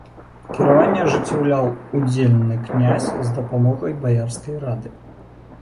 Кіраванне ажыццяўляў удзельны князь з дапамогай баярскай рады.